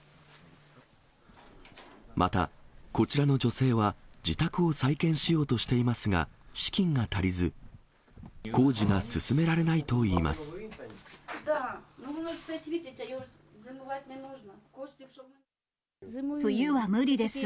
また、こちらの女性は、自宅を再建しようとしていますが、資金が足りず、工事が進められな冬は無理です。